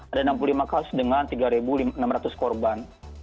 ada enam puluh lima kasus dengan tiga enam ratus korban